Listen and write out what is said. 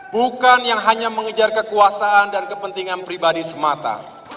bukan yang hanya mengejar kekuasaan dan kepentingan pribadi semata